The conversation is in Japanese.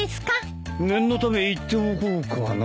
念のため行っておこうかな。